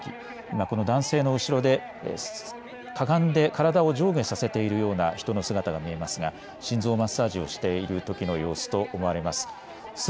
今この男性の背後でかがんで体を上下させているような人の姿が見えますが心臓マッサージをしているときの様子と思われます。